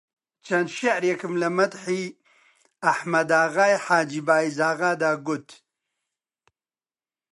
چەند شیعرێکم لە مەدحی ئەحمەداغای حاجی بایزاغادا گوت